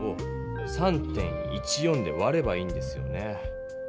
１１０を３．１４でわればいいんですよね。